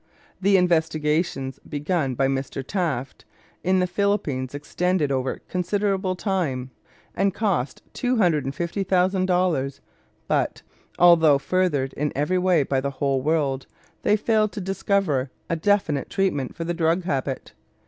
The investigations begun by Mr. Taft in the Philippines extended over considerable time and cost two hundred and fifty thousand dollars, but, although furthered in every way by the whole world, they failed to discover a definite treatment for the drug habit.